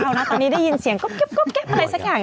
เอานะตอนนี้ได้ยินเสียงก๊อบอะไรสักอย่าง